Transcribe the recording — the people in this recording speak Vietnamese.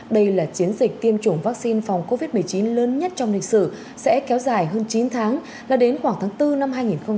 đây là chiến dịch tiêm chủng vaccine phòng covid một mươi chín lớn nhất trong lịch sử sẽ kéo dài hơn chín tháng là đến khoảng tháng bốn năm hai nghìn hai mươi